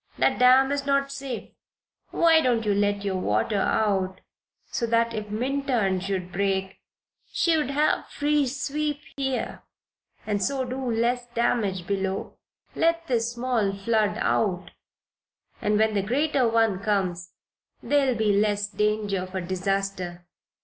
That dam is not safe. Why don't you let your water out so that, if Minturn should break, she'd have free sweep here and so do less damage below? Let this small flood out and when the greater one comes there'll be less danger of a disaster."